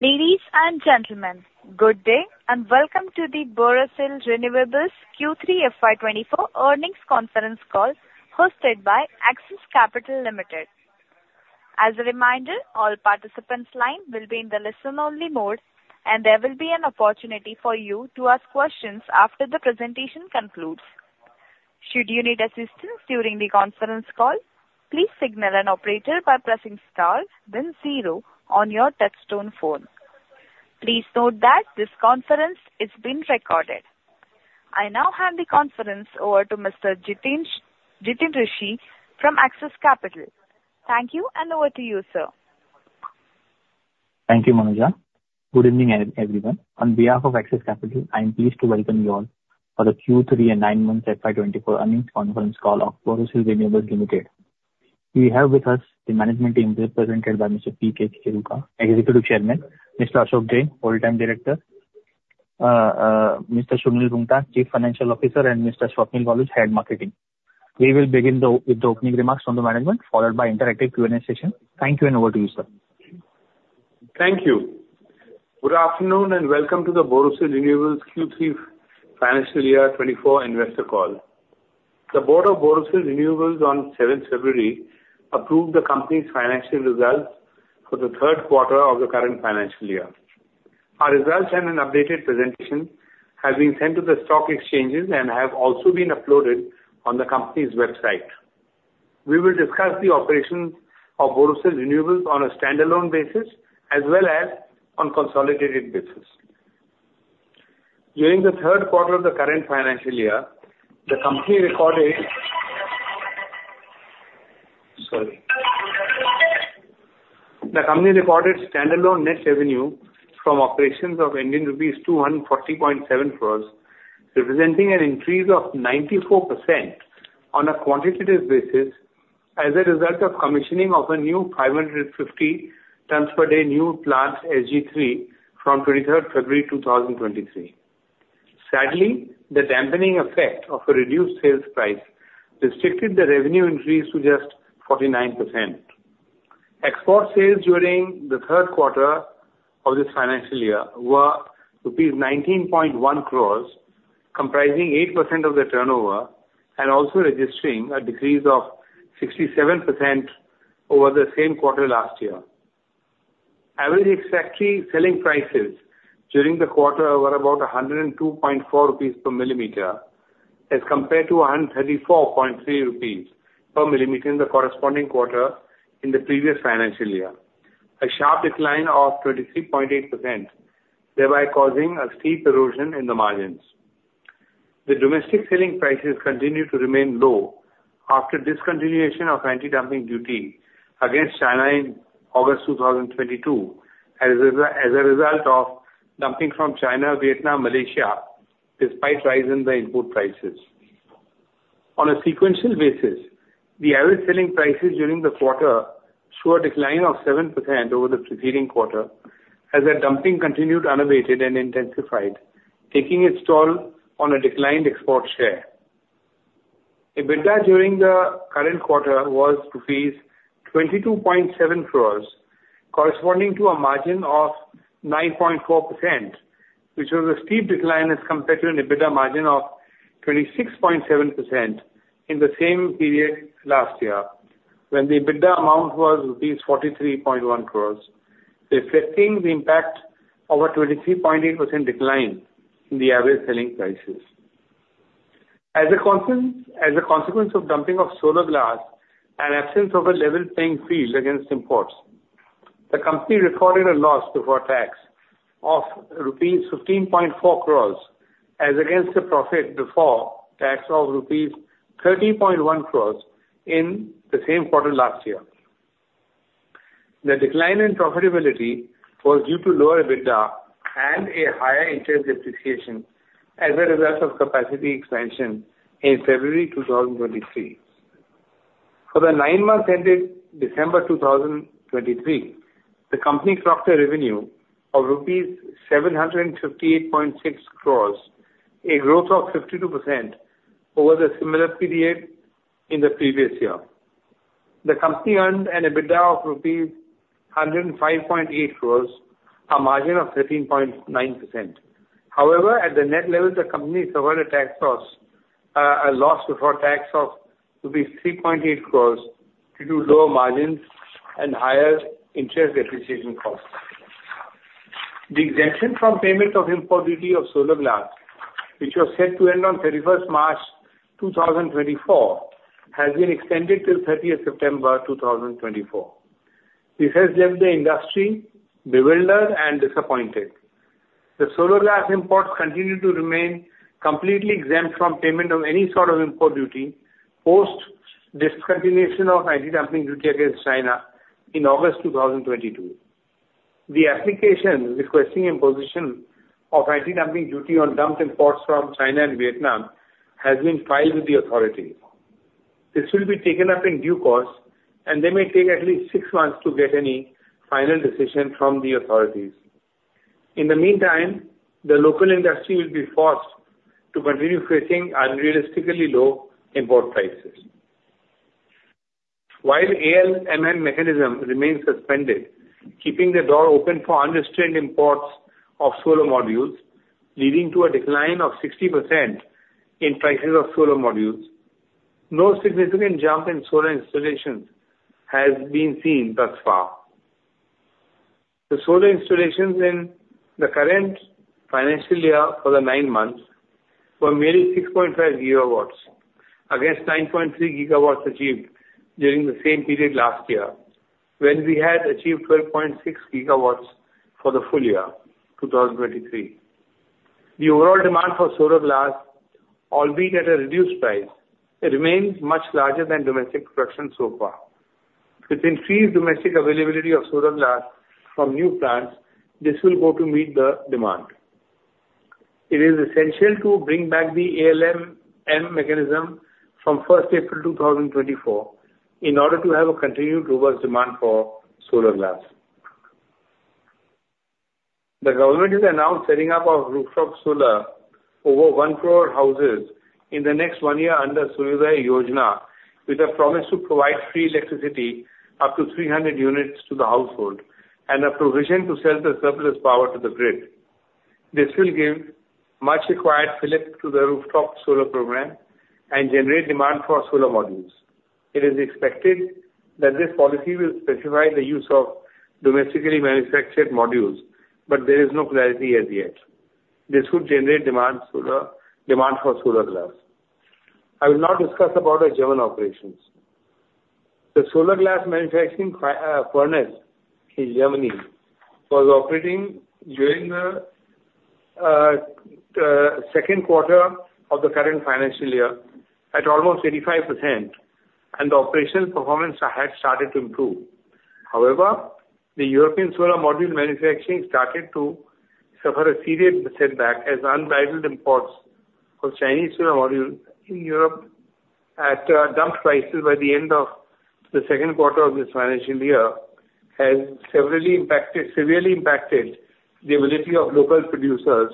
Ladies and gentlemen, good day, and welcome to the Borosil Renewables Q3 FY24 earnings conference call, hosted by Axis Capital Limited. As a reminder, all participants' lines will be in the listen-only mode, and there will be an opportunity for you to ask questions after the presentation concludes. Should you need assistance during the conference call, please signal an operator by pressing star then zero on your touchtone phone. Please note that this conference is being recorded. I now hand the conference over to Mr. Jiten Rushi from Axis Capital. Thank you, and over to you, sir. Thank you, Manuja. Good evening, everyone. On behalf of Axis Capital, I am pleased to welcome you all for the Q3 and nine-month FY 2024 earnings conference call of Borosil Renewables Limited. We have with us the management team represented by Mr. P. K. Kheruka, Executive Chairman, Mr. Ashok Jain, Whole-time Director, Mr. Sunil Roongta, Chief Financial Officer, and Mr. Swapnil Walunj, Head Marketing. We will begin with the opening remarks from the management, followed by interactive Q&A session. Thank you, and over to you, sir. Thank you. Good afternoon, and welcome to the Borosil Renewables Q3 Financial Year 24 investor call. The Board of Borosil Renewables on 7 February approved the company's financial results for the third quarter of the current financial year. Our results and an updated presentation have been sent to the stock exchanges and have also been uploaded on the company's website. We will discuss the operations of Borosil Renewables on a standalone basis, as well as on consolidated basis. During the third quarter of the current financial year, the company recorded... Sorry. The company recorded standalone net revenue from operations of Indian rupees 240.7 crores, representing an increase of 94% on a quantitative basis as a result of commissioning of a new 550 tons per day new plant, SG3, from 23 February 2023. Sadly, the dampening effect of a reduced sales price restricted the revenue increase to just 49%. Export sales during the third quarter of this financial year were rupees 19.1 crores, comprising 8% of the turnover, and also registering a decrease of 67% over the same quarter last year. Average factory selling prices during the quarter were about 102.4 rupees per millimeter, as compared to 134.3 rupees per millimeter in the corresponding quarter in the previous financial year, a sharp decline of 23.8%, thereby causing a steep erosion in the margins. The domestic selling prices continued to remain low after discontinuation of anti-dumping duty against China in August 2022, as a result of dumping from China, Vietnam, Malaysia, despite rise in the import prices. On a sequential basis, the average selling prices during the quarter show a decline of 7% over the preceding quarter, as the dumping continued unabated and intensified, taking its toll on a declined export share. EBITDA during the current quarter was 22.7 crores, corresponding to a margin of 9.4%, which was a steep decline as compared to an EBITDA margin of 26.7% in the same period last year, when the EBITDA amount was rupees 43.1 crores, reflecting the impact of a 23.8% decline in the average selling prices. As a consequence of dumping of solar glass and absence of a level playing field against imports, the company recorded a loss before tax of rupees 15.4 crores, as against the profit before tax of rupees 13.1 crores in the same quarter last year. The decline in profitability was due to lower EBITDA and a higher interest depreciation as a result of capacity expansion in February 2023. For the nine months ended December 2023, the company clocked a revenue of rupees 758.6 crores, a growth of 52% over the similar period in the previous year. The company earned an EBITDA of rupees 105.8 crores, a margin of 13.9%. However, at the net level, the company suffered a tax loss, a loss before tax of 3.8 crores, due to lower margins and higher interest depreciation costs. The exemption from payment of import duty of solar glass, which was set to end on thirty-first March two thousand and twenty-four, has been extended till thirtieth September two thousand and twenty-four. This has left the industry bewildered and disappointed. The solar glass imports continue to remain completely exempt from payment of any sort of import duty, post discontinuation of anti-dumping duty against China in August two thousand twenty-two. The application requesting imposition of anti-dumping duty on dumped imports from China and Vietnam has been filed with the authorities. This will be taken up in due course, and they may take at least six months to get any final decision from the authorities. In the meantime, the local industry will be forced to continue facing unrealistically low import prices. While ALMM mechanism remains suspended, keeping the door open for unrestrained imports of solar modules, leading to a decline of 60% in prices of solar modules, no significant jump in solar installations has been seen thus far. The solar installations in the current financial year for the nine months were merely 6.5 GW, against 9.3 GW achieved during the same period last year, when we had achieved 12.6 GW for the full year, 2023. The overall demand for solar glass, albeit at a reduced price, it remains much larger than domestic production so far. With increased domestic availability of solar glass from new plants, this will go to meet the demand. It is essential to bring back the ALMM mechanism from April 1, 2024, in order to have a continued robust demand for solar glass. The government is now setting up rooftop solar over 1 crores houses in the next 1 year under Suryodaya Yojana, with a promise to provide free electricity up to 300 units to the household, and a provision to sell the surplus power to the grid. This will give much required fillip to the rooftop solar program and generate demand for solar modules. It is expected that this policy will specify the use of domestically manufactured modules, but there is no clarity as yet. This would generate demand solar, demand for solar glass. I will now discuss about our German operations. The solar glass manufacturing furnace in Germany was operating during the second quarter of the current financial year at almost 85%, and the operational performance had started to improve. However, the European solar module manufacturing started to suffer a serious setback, as unrivaled imports of Chinese solar modules in Europe at dump prices by the end of the second quarter of this financial year, has severally impacted, severely impacted the ability of local producers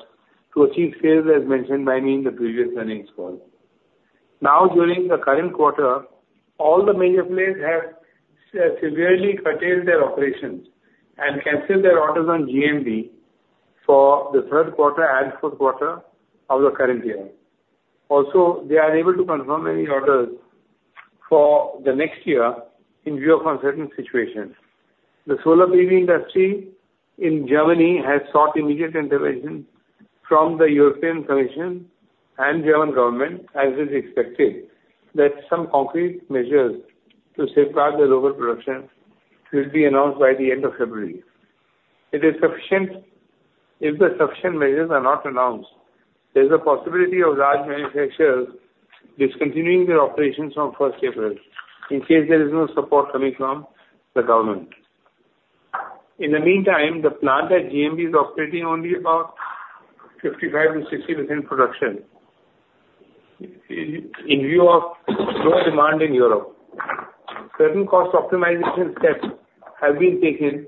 to achieve sales, as mentioned by me in the previous earnings call. Now, during the current quarter, all the major players have severely curtailed their operations and canceled their orders on GMB for the third quarter and fourth quarter of the current year. Also, they are unable to confirm any orders for the next year in view of uncertain situations. The solar PV industry in Germany has sought immediate intervention from the European Commission and German government, as is expected, that some concrete measures to safeguard the local production will be announced by the end of February. It is insufficient if the sufficient measures are not announced, there's a possibility of large manufacturers discontinuing their operations on April 1, in case there is no support coming from the government. In the meantime, the plant at GMB is operating only about 55%-60% production, in view of low demand in Europe. Certain cost optimization steps have been taken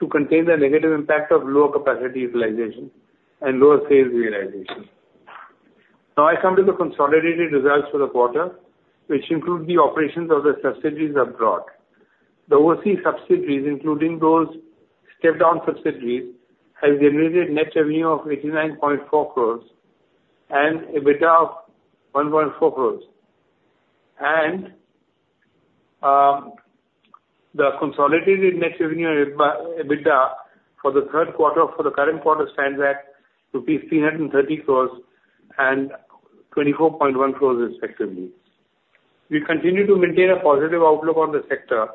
to contain the negative impact of lower capacity utilization and lower sales realization. Now, I come to the consolidated results for the quarter, which include the operations of the subsidiaries abroad. The overseas subsidiaries, including those stepped-down subsidiaries, have generated net revenue of 89.4 crores and EBITDA of 1.4 crores. The consolidated net revenue and EBITDA for the third quarter, for the current quarter, stands at rupees 330 crores and 24.1 crores respectively. We continue to maintain a positive outlook on the sector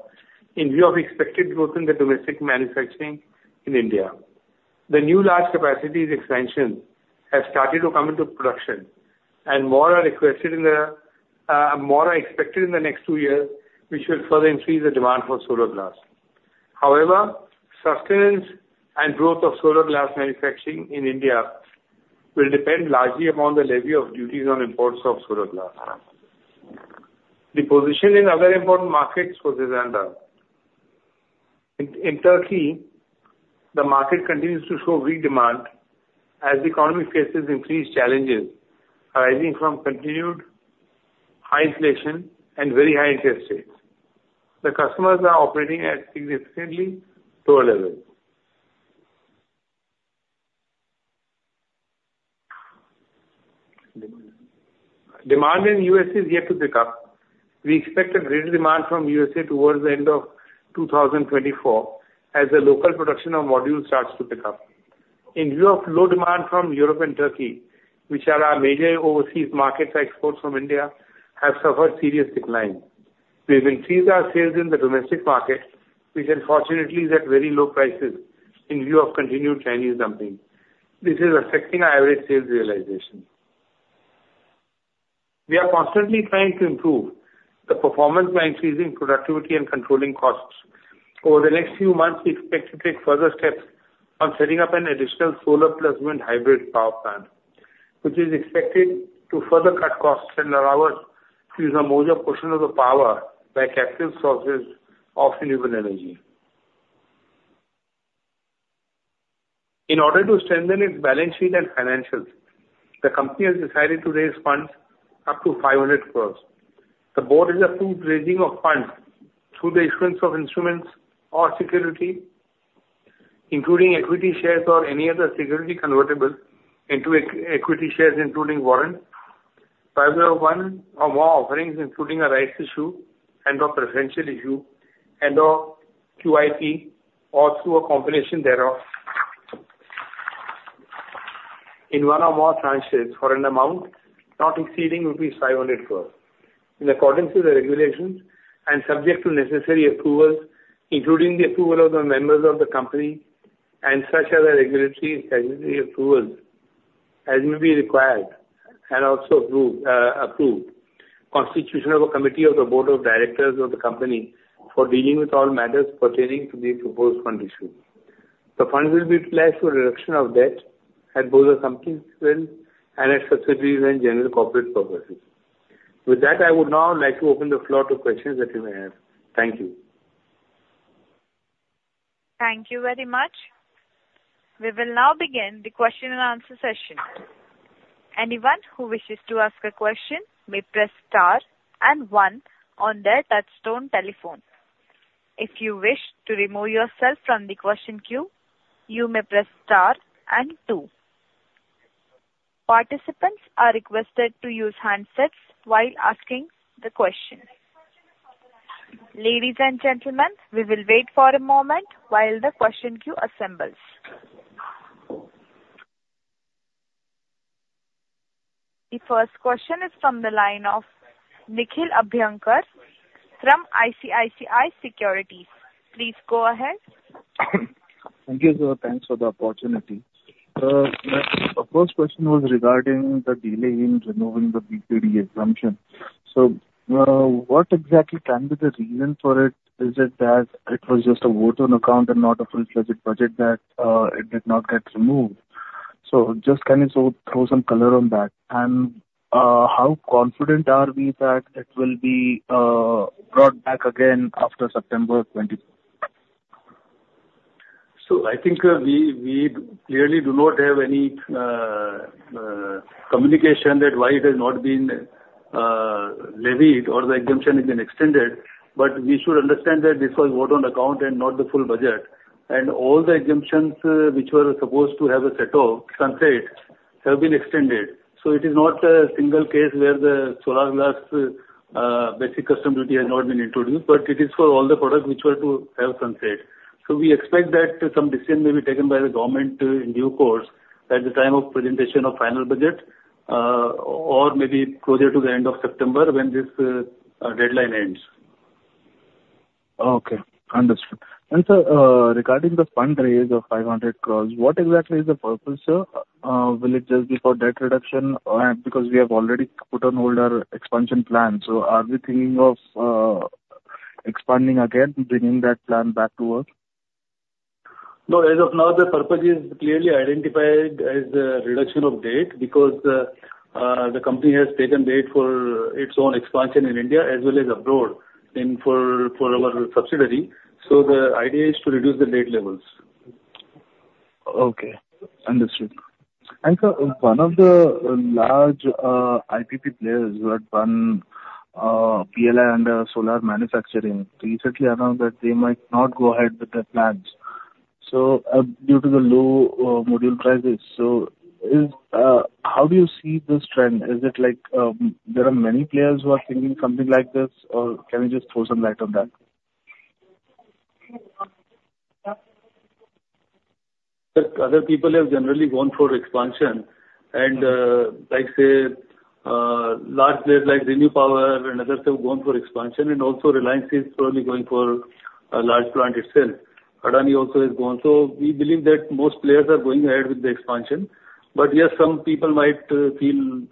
in view of expected growth in the domestic manufacturing in India. The new large capacities expansion has started to come into production, and more are requested in the, more are expected in the next two years, which will further increase the demand for solar glass. However, sustenance and growth of solar glass manufacturing in India will depend largely upon the levy of duties on imports of solar glass. The position in other important markets was as under. In Turkey, the market continues to show weak demand as the economy faces increased challenges arising from continued high inflation and very high interest rates. The customers are operating at significantly lower levels. Demand in U.S. is yet to pick up. We expect a great demand from USA towards the end of 2024, as the local production of modules starts to pick up. In view of low demand from Europe and Turkey, which are our major overseas markets, exports from India have suffered serious decline. We've increased our sales in the domestic market, which unfortunately is at very low prices in view of continued Chinese dumping. This is affecting our average sales realization. We are constantly trying to improve the performance by increasing productivity and controlling costs. Over the next few months, we expect to take further steps on setting up an additional solar plus wind hybrid power plant, which is expected to further cut costs and allow us to use a major portion of the power by captive sources of renewable energy. ...In order to strengthen its balance sheet and financials, the company has decided to raise funds up to 500 crores. The board has approved raising of funds through the issuance of instruments or security, including equity shares or any other security convertible into equity shares, including warrants, by way of one or more offerings, including a rights issue and/or preferential issue and/or QIP, or through a combination thereof, in one or more tranches for an amount not exceeding rupees 500 crores. In accordance with the regulations and subject to necessary approvals, including the approval of the members of the company and such other regulatory and statutory approvals as may be required, and also approved constitution of a committee of the board of directors of the company for dealing with all matters pertaining to the proposed fund issue. The fund will be applied for reduction of debt at both the company's level and at subsidiary and general corporate purposes. With that, I would now like to open the floor to questions that you may have. Thank you. Thank you very much. We will now begin the question and answer session. Anyone who wishes to ask a question may press star and one on their touchtone telephone. If you wish to remove yourself from the question queue, you may press star and two. Participants are requested to use handsets while asking the question. Ladies and gentlemen, we will wait for a moment while the question queue assembles. The first question is from the line of Nikhil Abhyankar from ICICI Securities. Please go ahead. Thank you, sir. Thanks for the opportunity. My first question was regarding the delay in removing the BCD exemption. So, what exactly can be the reason for it? Is it that it was just a vote on account and not a full-fledged budget that it did not get removed? So just kind of throw some color on that. And, how confident are we that it will be brought back again after September 20? So I think, we clearly do not have any communication that why it has not been levied or the exemption has been extended. But we should understand that this was vote on account and not the full budget. And all the exemptions, which were supposed to have a set off, sunset, have been extended. So it is not a single case where the solar glass Basic Custom Duty has not been introduced, but it is for all the products which were to have sunset. So we expect that some decision may be taken by the government in due course at the time of presentation of final budget, or maybe closer to the end of September when this deadline ends. Okay, understood. And sir, regarding the fund raise of 500 crores, what exactly is the purpose, sir? Will it just be for debt reduction? Or because we have already put on hold our expansion plan, so are we thinking of expanding again, bringing that plan back to work? No, as of now, the purpose is clearly identified as the reduction of debt because the company has taken debt for its own expansion in India as well as abroad, and for our subsidiary. So the idea is to reduce the debt levels. Okay, understood. And sir, one of the large IPP players who had one PLI under solar manufacturing recently announced that they might not go ahead with their plans, so, due to the low module prices. So is... How do you see this trend? Is it like, there are many players who are thinking something like this, or can you just throw some light on that? The other people have generally gone for expansion. And, like, say, large players like ReNew Power and others have gone for expansion, and also Reliance is currently going for a large plant itself. Adani also has gone. So we believe that most players are going ahead with the expansion. But yes, some people might, feel,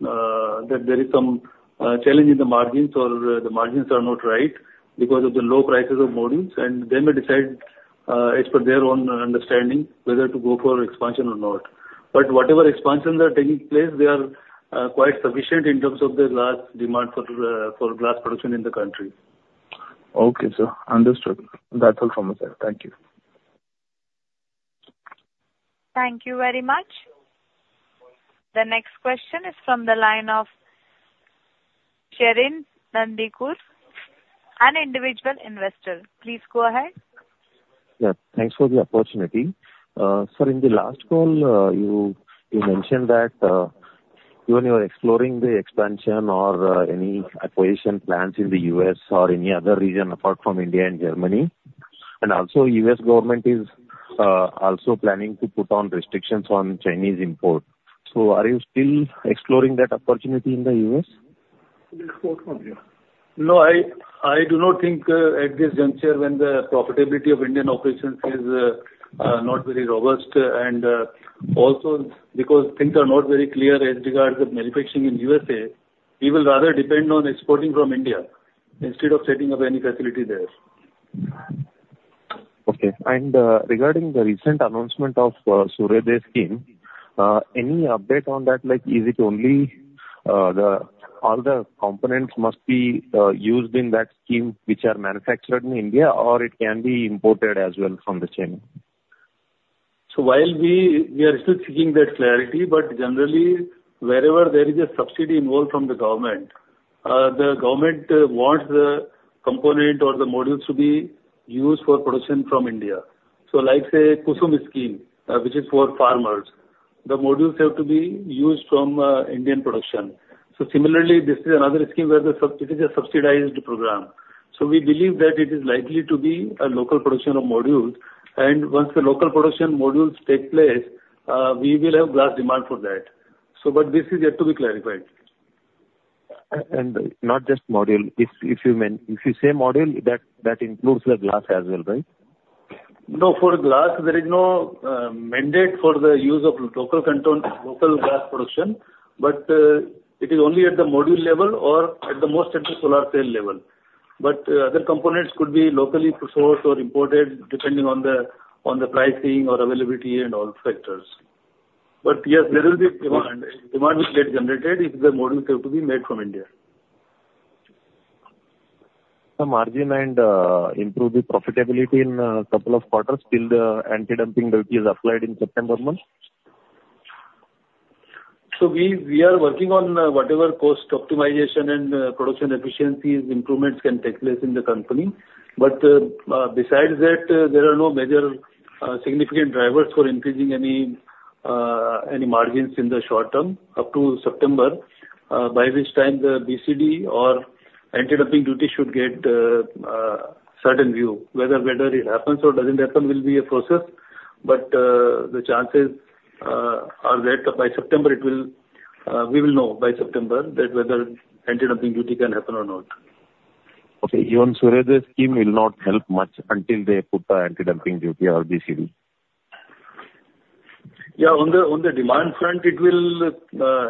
that there is some, challenge in the margins or the margins are not right because of the low prices of modules, and they may decide, as per their own understanding, whether to go for expansion or not. But whatever expansions are taking place, they are, quite sufficient in terms of the large demand for, for glass production in the country. Okay, sir. Understood. That's all from my side. Thank you. Thank you very much. The next question is from the line of Sherin Nandikur, an individual investor. Please go ahead. Yeah, thanks for the opportunity. Sir, in the last call, you mentioned that you are exploring the expansion or any acquisition plans in the U.S. or any other region apart from India and Germany. And also, U.S. government is also planning to put on restrictions on Chinese import. So are you still exploring that opportunity in the U.S.? No, I do not think at this juncture, when the profitability of Indian operations is not very robust, and also because things are not very clear as regards the manufacturing in USA, we will rather depend on exporting from India instead of setting up any facility there. Okay. And, regarding the recent announcement of Suryodaya scheme, any update on that? Like, is it only, all the components must be used in that scheme, which are manufactured in India, or it can be imported as well from China? So while we, we are still seeking that clarity, but generally, wherever there is a subsidy involved from the government, the government wants the component or the modules to be used for production from India. So like, say, Kusum Scheme, which is for farmers, the modules have to be used from, Indian production. So similarly, this is another scheme where this is a subsidized program. So we believe that it is likely to be a local production of modules, and once the local production modules take place, we will have glass demand for that. So but this is yet to be clarified. And not just module. If you say module, that includes the glass as well, right? No, for glass, there is no mandate for the use of local content, local glass production, but it is only at the module level or at the most, at the solar cell level. But other components could be locally sourced or imported, depending on the pricing or availability and all factors. But yes, there will be demand. Demand will get generated if the modules have to be made from India. The margin and improve the profitability in a couple of quarters till the anti-dumping duty is applied in September month? So we are working on whatever cost optimization and production efficiencies improvements can take place in the company. But besides that, there are no major significant drivers for increasing any margins in the short term, up to September, by which time the BCD or anti-dumping duty should get certain view. Whether it happens or doesn't happen will be a process, but the chances are that by September it will we will know by September that whether anti-dumping duty can happen or not. Okay. Even Suryodaya Yojana will not help much until they put the anti-dumping duty or BCD? Yeah, on the demand front, it will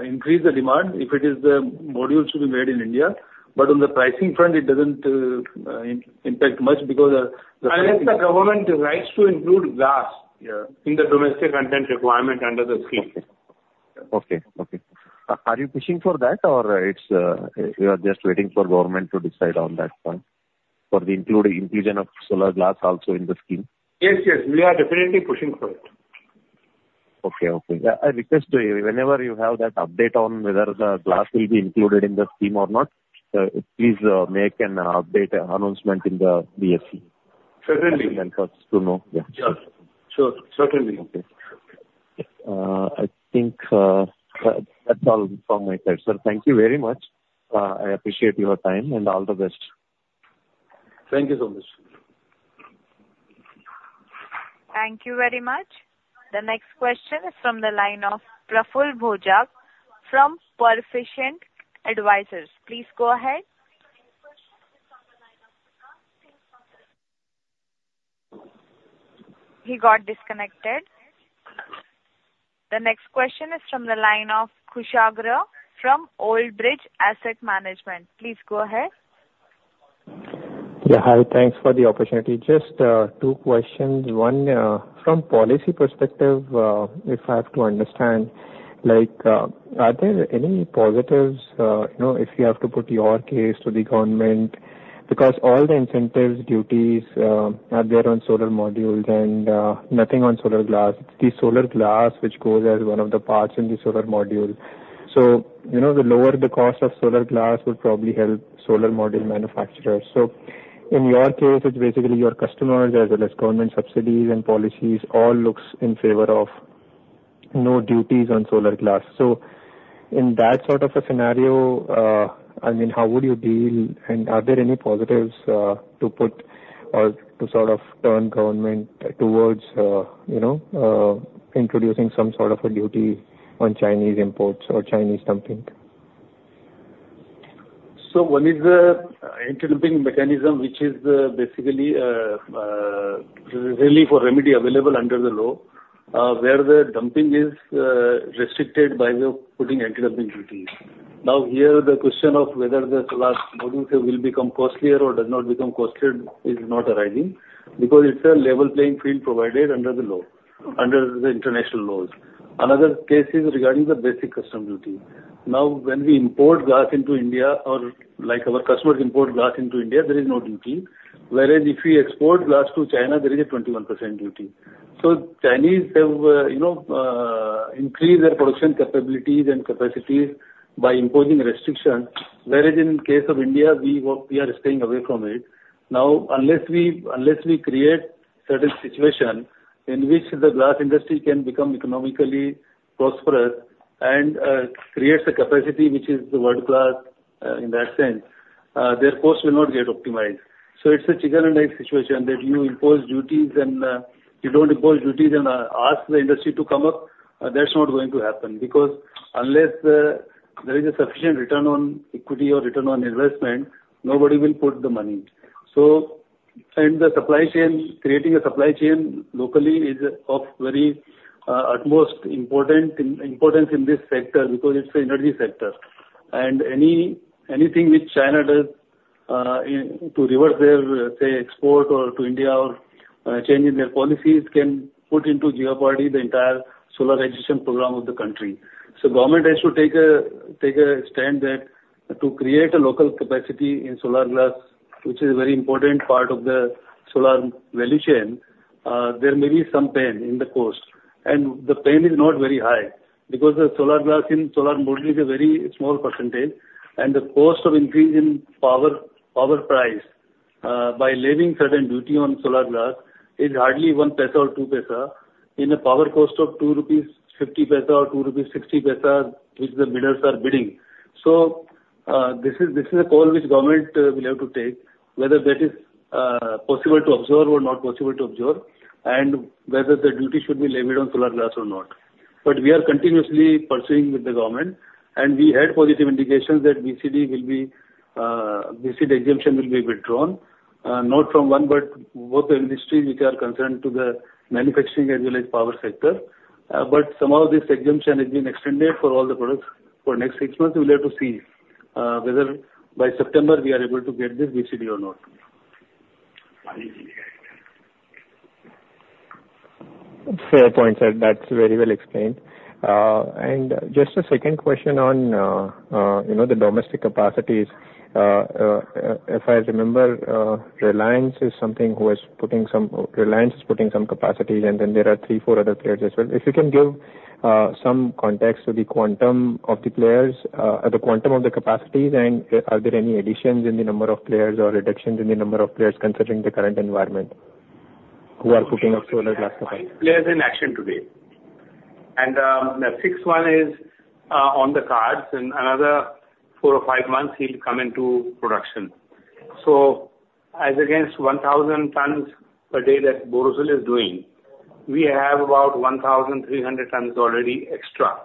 increase the demand if it is the modules to be made in India. But on the pricing front, it doesn't impact much because, the- Unless the government tries to include glass- Yeah - in the domestic content requirement under the scheme. Okay. Okay. Are you pushing for that? Or it's, you are just waiting for government to decide on that one, for the inclusion of solar glass also in the scheme? Yes, yes, we are definitely pushing for it. Okay, okay. Yeah, I request you, whenever you have that update on whether the glass will be included in the scheme or not, please, make an update announcement in the BSE. Certainly! That will help us to know, yeah. Yes. Sure, certainly. Okay. I think that's all from my side, sir. Thank you very much. I appreciate your time, and all the best. Thank you so much. Thank you very much. The next question is from the line of Praful Bhoja from Proficient Advisors. Please go ahead. The next question is on the line of Praful Bhoja. He got disconnected. The next question is from the line of Kushagra, from Old Bridge Asset Management. Please go ahead. Yeah, hi. Thanks for the opportunity. Just, two questions. One, from policy perspective, if I have to understand, like, are there any positives, you know, if you have to put your case to the government, because all the incentives, duties, are there on solar modules and, nothing on solar glass. The solar glass, which goes as one of the parts in the solar module. So you know, the lower the cost of solar glass will probably help solar module manufacturers. So in your case, it's basically your customers as well as government subsidies and policies, all looks in favor of no duties on solar glass. In that sort of a scenario, I mean, how would you deal, and are there any positives to put or to sort of turn government towards, you know, introducing some sort of a duty on Chinese imports or Chinese dumping? So one is the anti-dumping mechanism, which is basically really for remedy available under the law, where the dumping is restricted by the putting anti-dumping duties. Now, here, the question of whether the solar modules will become costlier or does not become costlier is not arising, because it's a level playing field provided under the law, under the international laws. Another case is regarding the basic custom duty. Now, when we import glass into India, or like our customers import glass into India, there is no duty, whereas if we export glass to China, there is a 21% duty. So Chinese have, you know, increased their production capabilities and capacities by imposing restrictions, whereas in the case of India, we are staying away from it. Now, unless we create certain situation in which the glass industry can become economically prosperous and creates a capacity which is the world class, in that sense, their cost will not get optimized. So it's a chicken and egg situation, that you impose duties and you don't impose duties and ask the industry to come up. That's not going to happen, because unless there is a sufficient return on equity or return on investment, nobody will put the money. So, and the supply chain, creating a supply chain locally is of very utmost importance in this sector, because it's an energy sector, and anything which China does in order to reverse their, say, export to India or change in their policies can put into jeopardy the entire solar generation program of the country. So government has to take a stand that to create a local capacity in solar glass, which is a very important part of the solar value chain, there may be some pain in the cost. And the pain is not very high, because the solar glass in solar module is a very small percentage, and the cost of increase in power price by levying certain duty on solar glass is hardly 0.01 or 0.02, in a power cost of 2.50 rupees or 2.60 rupees, which the bidders are bidding. So, this is a call which government will have to take, whether that is possible to observe or not possible to observe, and whether the duty should be levied on solar glass or not. But we are continuously pursuing with the government, and we had positive indications that BCD will be, BCD exemption will be withdrawn, not from one, but both the industries which are concerned to the manufacturing as well as power sector. But some of this exemption has been extended for all the products for next six months. We'll have to see, whether by September we are able to get this BCD or not. Fair point, sir. That's very well explained. And just a second question on, you know, the domestic capacities. If I remember, Reliance is putting some capacities, and then there are three, four other players as well. If you can give some context to the quantum of the players, the quantum of the capacities, and are there any additions in the number of players or reductions in the number of players considering the current environment, who are putting up solar glass capacity? Players in action today. The sixth one is on the cards, in another 4 or 5 months he'll come into production. So as against 1,000 tons per day that Borosil is doing, we have about 1,300 tons already extra,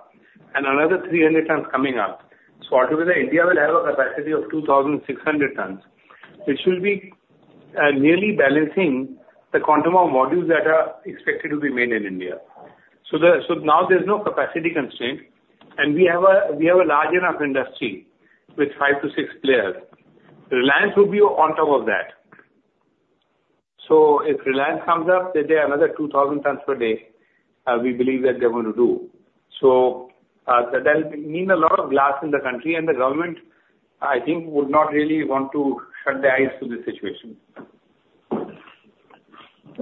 and another 300 tons coming up. So altogether, India will have a capacity of 2,600 tons, which will be nearly balancing the quantum of modules that are expected to be made in India. So there, so now there's no capacity constraint, and we have a large enough industry with 5-6 players. Reliance will be on top of that. So if Reliance comes up, they do another 2,000 tons per day, we believe that they're going to do. That'll mean a lot of glass in the country, and the government, I think, would not really want to shut their eyes to this situation.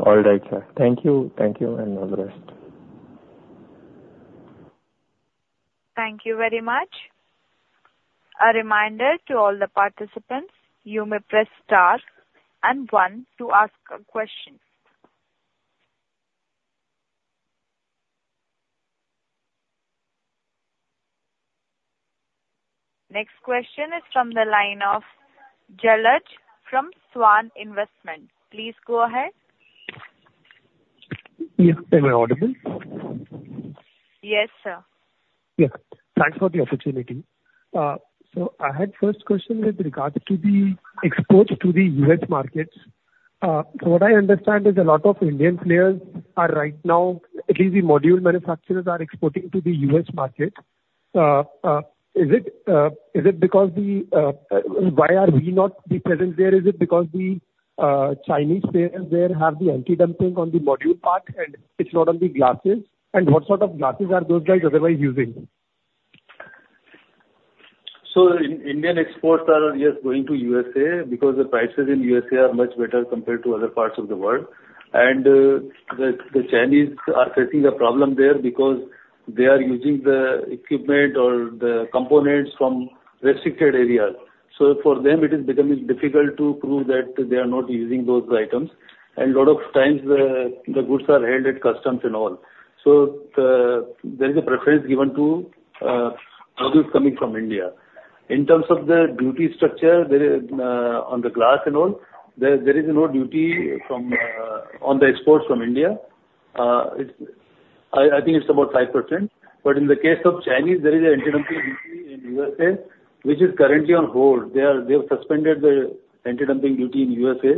All right, sir. Thank you, thank you, and all the best. Thank you very much. A reminder to all the participants, you may press star and one to ask a question. Next question is from the line of Jalaj from Swan Investments. Please go ahead. Yes. Am I audible? Yes, sir. Yeah. Thanks for the opportunity. So I had first question with regards to the exports to the U.S. markets. From what I understand is a lot of Indian players are right now, at least the module manufacturers, are exporting to the U.S. market. Is it, is it because the, why are we not be present there? Is it because the Chinese players there have the anti-dumping on the module part, and it's not on the glasses? And what sort of glasses are those guys otherwise using? So Indian exports are just going to USA because the prices in USA are much better compared to other parts of the world. And the Chinese are facing a problem there because they are using the equipment or the components from restricted areas. So for them it is becoming difficult to prove that they are not using those items. And a lot of times the goods are held at customs and all. So there is a preference given to modules coming from India. In terms of the duty structure, there is on the glass and all, there is no duty from on the exports from India. It's. I think it's about 5%, but in the case of Chinese, there is an anti-dumping duty in USA which is currently on hold. They have suspended the anti-dumping duty in USA.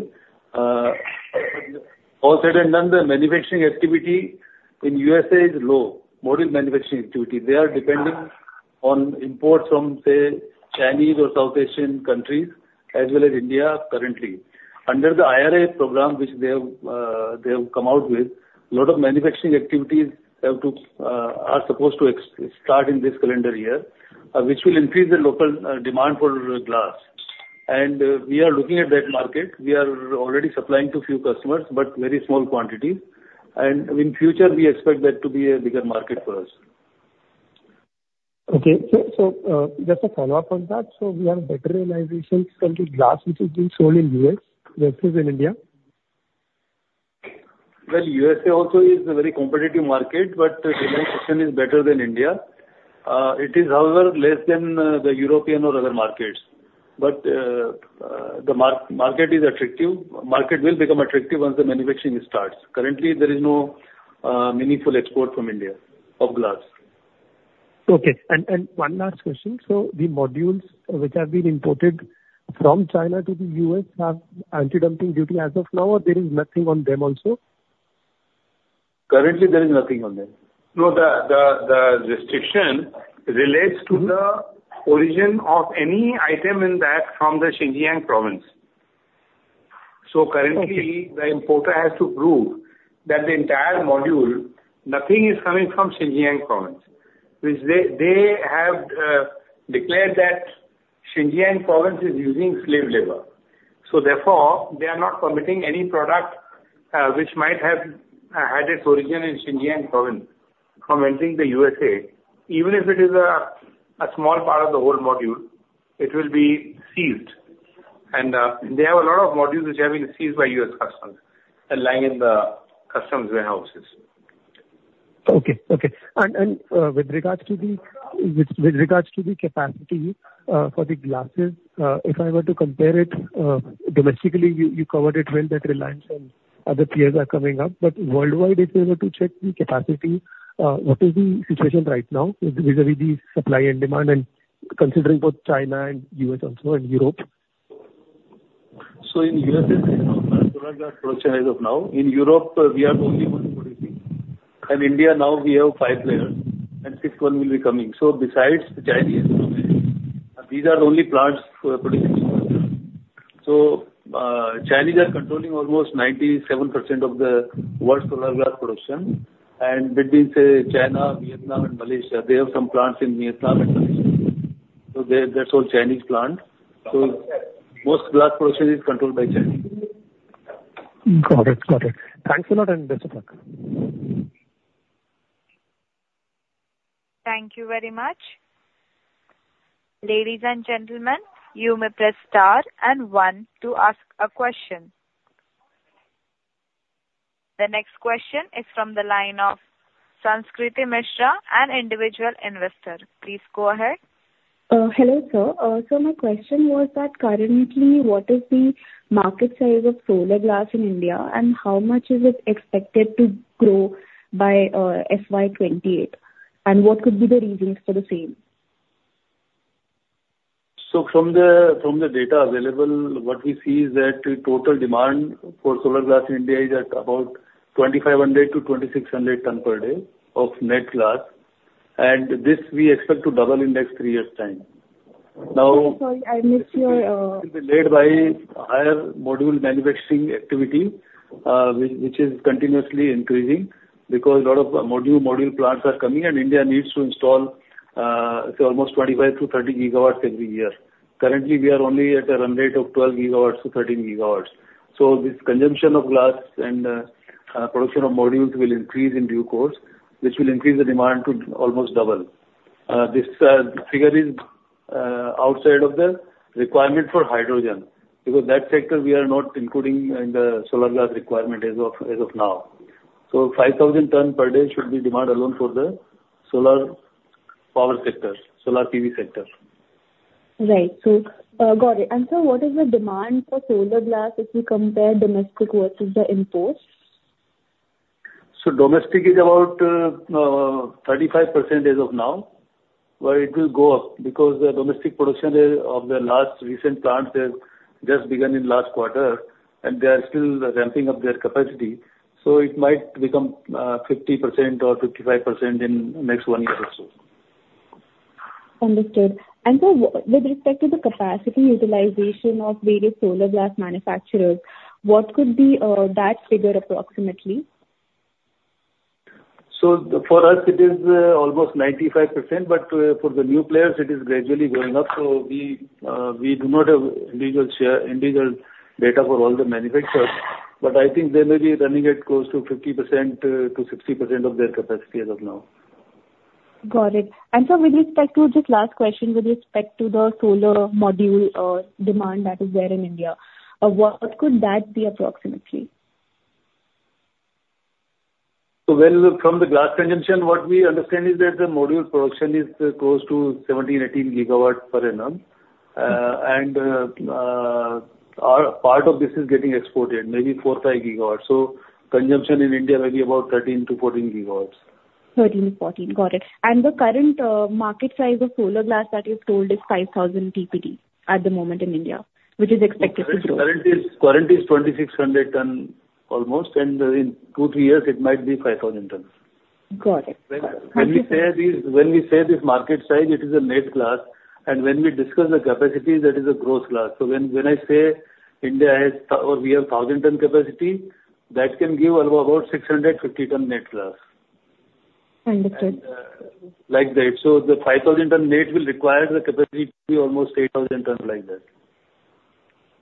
All said and done, the manufacturing activity in USA is low, module manufacturing activity. They are depending on imports from, say, Chinese or South Asian countries, as well as India currently. Under the IRA program, which they have, they have come out with, a lot of manufacturing activities have to, are supposed to start in this calendar year, which will increase the local demand for glass. And, we are looking at that market. We are already supplying to a few customers, but very small quantity. And in future, we expect that to be a bigger market for us. Okay. So, just a follow-up on that. So we have better realization from the glass which is being sold in U.S. versus in India? Well, USA also is a very competitive market, but the realization is better than India. It is, however, less than the European or other markets. But the market is attractive. Market will become attractive once the manufacturing starts. Currently, there is no meaningful export from India of glass. Okay, and one last question: so the modules which have been imported from China to the U.S. have anti-dumping duty as of now, or there is nothing on them also? ...Currently, there is nothing on that. No, the restriction relates to the origin of any item in that from the Xinjiang province. So currently, the importer has to prove that the entire module, nothing is coming from Xinjiang province, which they have declared that Xinjiang province is using slave labor. So therefore, they are not permitting any product, which might have had its origin in Xinjiang province from entering the USA. Even if it is a small part of the whole module, it will be seized. And they have a lot of modules which have been seized by U.S. Customs and lying in the customs warehouses. Okay, okay. With regards to the capacity for the glasses, if I were to compare it domestically, you covered it well, that Reliance and other players are coming up. But worldwide, if you were to check the capacity, what is the situation right now with the supply and demand, and considering both China and U.S. also and Europe? So in U.S., it's solar glass production as of now. In Europe, we are the only one producing. In India now we have 5 players, and 6th one will be coming. Besides Chinese, these are the only plants who are producing. Chinese are controlling almost 97% of the world's solar glass production. And between, say, China, Vietnam, and Malaysia, they have some plants in Vietnam and Malaysia. So they, that's all Chinese plant. Most glass production is controlled by Chinese. Got it. Got it. Thanks a lot, and best of luck. Thank you very much. Ladies and gentlemen, you may press Star and One to ask a question. The next question is from the line of Sanskriti Mishra, an individual investor. Please go ahead. Hello, sir. So my question was that currently, what is the market size of solar glass in India, and how much is it expected to grow by, FY 28? And what could be the reasons for the same? So from the data available, what we see is that the total demand for solar glass in India is at about 2,500-2,600 tons per day of net glass, and this we expect to double in the next three years' time. Now- Sorry, I missed your, Led by higher module manufacturing activity, which is continuously increasing because a lot of module plants are coming and India needs to install, say, almost 25-30 gigawatts every year. Currently, we are only at a run rate of 12-13 gigawatts. So this consumption of glass and production of modules will increase in due course, which will increase the demand to almost double. This figure is outside of the requirement for hydrogen, because that sector we are not including in the solar glass requirement as of now. So 5,000 tons per day should be demand alone for the solar power sector, solar PV sector. Right. So, got it. And sir, what is the demand for solar glass if you compare domestic versus the import? So domestic is about 35% as of now, but it will go up because the domestic production is of the last recent plants has just begun in last quarter, and they are still ramping up their capacity, so it might become 50% or 55% in next one year or so. Understood. And sir, with respect to the capacity utilization of various solar glass manufacturers, what could be that figure approximately? So for us it is almost 95%, but for the new players it is gradually going up. So we, we do not have individual share, individual data for all the manufacturers, but I think they may be running at close to 50%-60% of their capacity as of now. Got it. Sir, with respect to, just last question, with respect to the solar module demand that is there in India, what could that be approximately? So when look from the glass consumption, what we understand is that the module production is close to 17-18 gigawatts per annum. Our part of this is getting exported, maybe 4-5 gigawatts. So consumption in India may be about 13-14 gigawatts. 13, 14. Got it. And the current market size of solar glass that you've told is 5,000 TPD at the moment in India, which is expected to grow. Current is 2,600 tons almost, and in two, three years it might be 5,000 tons. Got it. Got it. When we say this market size, it is a net glass, and when we discuss the capacity, that is a gross glass. So when I say India has or we have 1,000-ton capacity, that can give about 650 tons net glass. Understood. Like that, so the 5,000 ton net will require the capacity to be almost 8,000 tons, like that.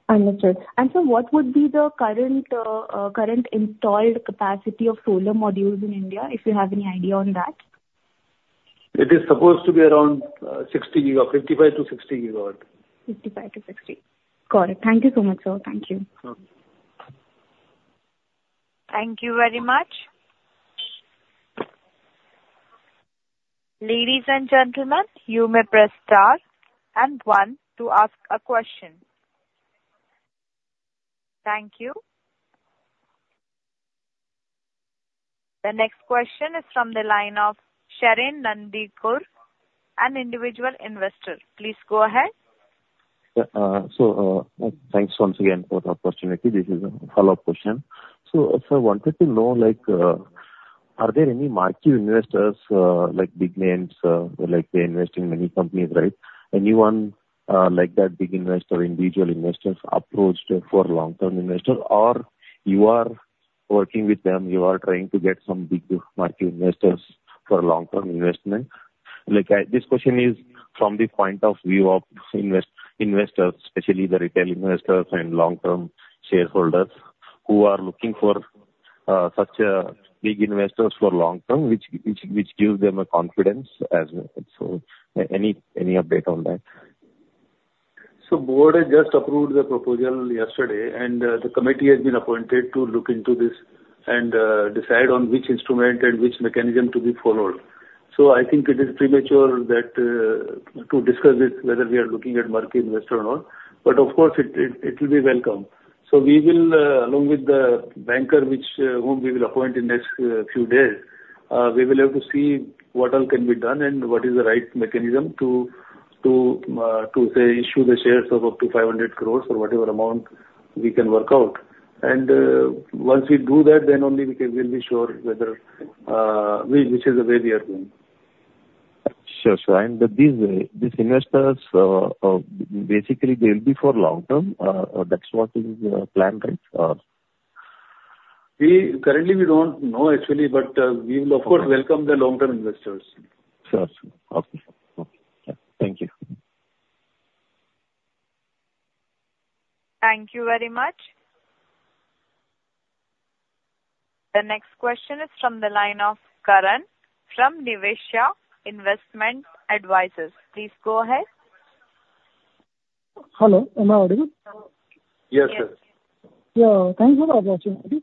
Understood. And sir, what would be the current installed capacity of solar modules in India, if you have any idea on that? It is supposed to be around 60 GW, 55-60 GW. 55-60. Got it. Thank you so much, sir. Thank you. Hmm. Thank you very much. Ladies and gentlemen, you may press Star and One to ask a question. Thank you. The next question is from the line of Sherin Nandikur, an individual investor. Please go ahead.... so, thanks once again for the opportunity. This is a follow-up question. So, so I wanted to know, like, are there any market investors, like big names, like they invest in many companies, right? Anyone, like that big investor, individual investors approached for long-term investor, or you are working with them, you are trying to get some big market investors for long-term investment? Like, I, this question is from the point of view of invest- investors, especially the retail investors and long-term shareholders, who are looking for, such a big investors for long term, which, which, which gives them a confidence as so. Any, any update on that? So the board has just approved the proposal yesterday, and the committee has been appointed to look into this and decide on which instrument and which mechanism to be followed. So I think it is premature to discuss this, whether we are looking at market investor or not, but of course it will be welcome. So we will, along with the banker, whom we will appoint in next few days, have to see what all can be done and what is the right mechanism to say issue the shares of up to 500 crore or whatever amount we can work out. And once we do that, then only we can, we'll be sure whether which is the way we are going. Sure, sir. These investors, basically they will be for long term, that's what is planned, right? Or... We currently don't know actually, but we will of course welcome the long-term investors. Sure, sir. Okay. Okay, thank you. Thank you very much. The next question is from the line of Karan from Niveshaay Investment Advisors. Please go ahead. Hello, am I audible? Yes, sir. Yeah, thank you for the opportunity.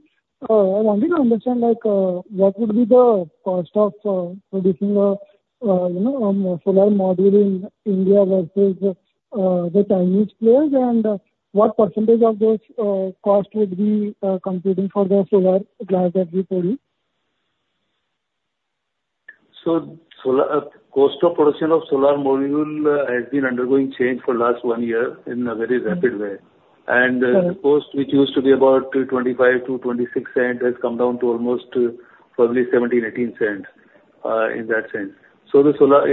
I wanted to understand, like, what would be the cost of producing a, you know, solar module in India versus the Chinese players? And what percentage of those cost would be competing for the solar glass that we produce? Solar cost of production of solar module has been undergoing change for last one year in a very rapid way. Mm-hmm. The cost, which used to be about $0.25-$0.26, has come down to almost probably $0.17-$0.18 in that sense. So the solar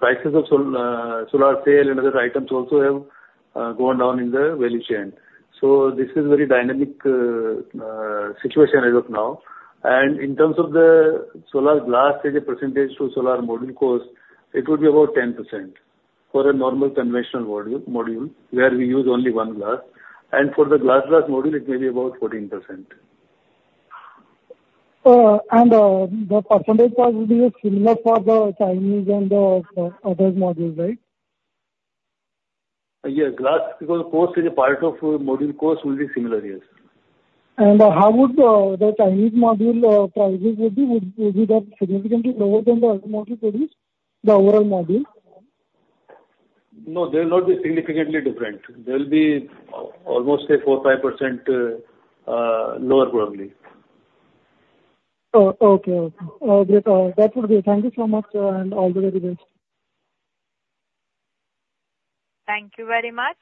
prices of solar cell and other items also have gone down in the value chain. So this is very dynamic situation as of now. In terms of the solar glass as a percentage to solar module cost, it would be about 10% for a normal conventional module where we use only one glass. For the glass module, it may be about 14%. The percentage cost will be similar for the Chinese and the other modules, right? Yes, glass, because cost is a part of module cost will be similar, yes. How would the Chinese module prices would be? Would be that significantly lower than the module price, the overall module? No, they'll not be significantly different. They'll be almost say 4%-5% lower, probably. Oh, okay. Okay. That would be. Thank you so much, and all the very best. Thank you very much.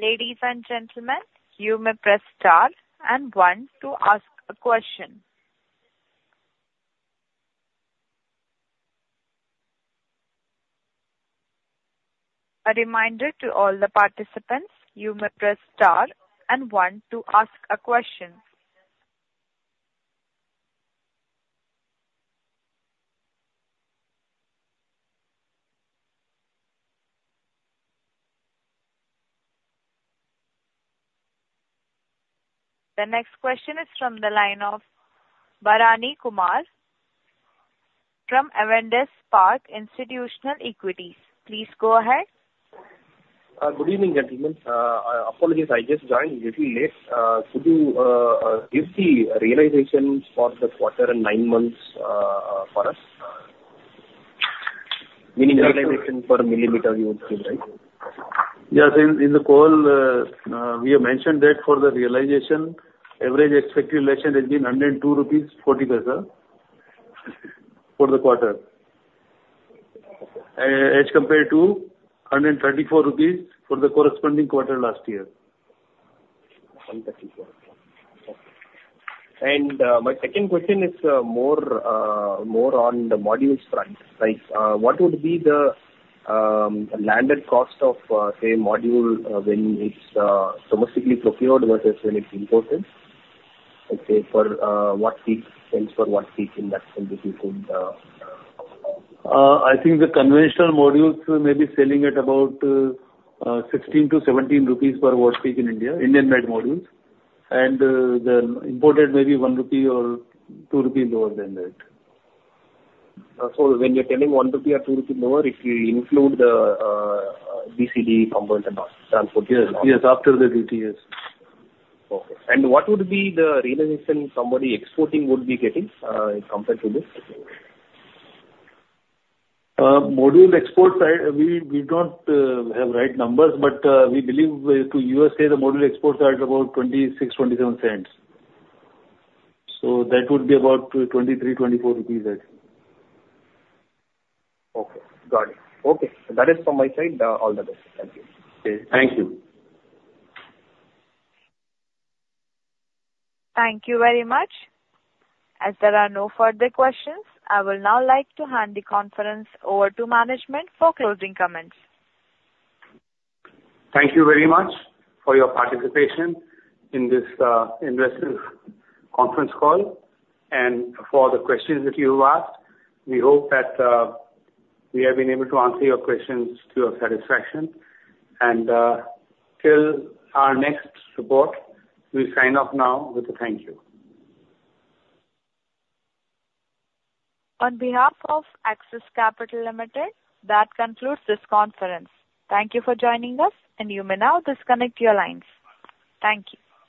Ladies and gentlemen, you may press Star and One to ask a question. A reminder to all the participants, you may press Star and One to ask a question. The next question is from the line of Bharani Kumar from Avendus Spark Institutional Equities. Please go ahead. Good evening, gentlemen. Apologies, I just joined a little late. Could you give the realizations for the quarter and nine months for us? Meaning realization per millimeter you would say, right? Yes, in the call, we have mentioned that for the realization, average expected realization has been 102.40 rupees for the quarter. As compared to INR 134 for the corresponding quarter last year. 134. Okay. My second question is, more on the modules front. Like, what would be the landed cost of, say, module when it's domestically procured versus when it's imported? Okay, for what peak, cents per what peak in that particular field. I think the conventional modules may be selling at about INR 16-INR 17 per watt peak in India, Indian-made modules. The imported may be INR 1 or INR 2 lower than that. So when you're telling 1 rupee or 2 rupee lower, if you include the BCD, customs and transport? Yes, yes, after the duties, yes. Okay. What would be the realization somebody exporting would be getting, compared to this? Module export side, we, we don't have right numbers, but, we believe to USA, the module exports are at about $0.26-$0.27. So that would be about 23-24 rupees, I think. Okay, got it. Okay, that is from my side. All the best. Thank you. Okay, thank you. Thank you very much. As there are no further questions, I will now like to hand the conference over to management for closing comments. Thank you very much for your participation in this investment conference call and for the questions that you asked. We hope that we have been able to answer your questions to your satisfaction. And, till our next report, we sign off now with a thank you. On behalf of Axis Capital Limited, that concludes this conference. Thank you for joining us, and you may now disconnect your lines. Thank you.